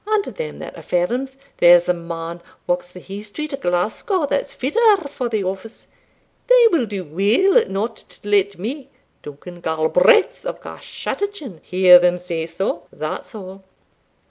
and them that affirms there's a man walks the Hie street o' Glasgow that's fitter for the office, they will do weel not to let me, Duncan Galbraith of Garschattachin, hear them say sae that's all."